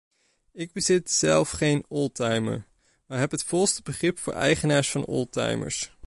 Ik bezit zelf geen oldtimer, maar heb het volste begrip voor eigenaars van oldtimers.